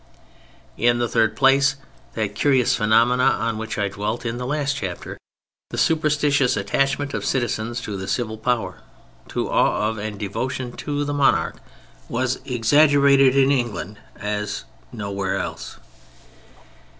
In the third place, that curious phenomena on which I dwelt in the last chapter, the superstitious attachment of citizens to the civil power, to awe of, and devotion to, the monarch, was exaggerated in England as nowhere else.